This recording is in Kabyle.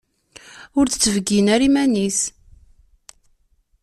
Ur d-tbeyyen ara iman-is.